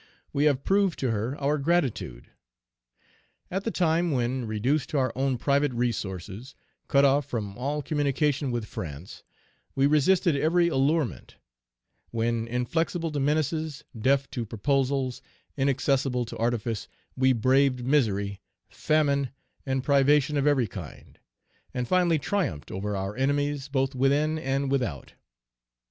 We have proved to her our gratitude. "At the time when, reduced to our own private resources, cut off from all communication with France, we resisted every allurement; when, inflexible to menaces, deaf to proposals, inaccessible to artifice, we braved misery, famine, and privation of every kind, and finally triumphed over our enemies both within and without.